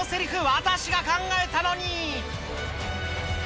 私が考えたのに。